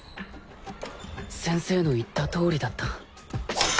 先生の言った通りだった